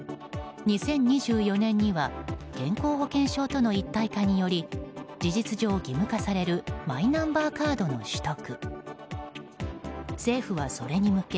２０２４年には健康保険証との一体化により事実上、義務化されるマイナンバーカードの取得。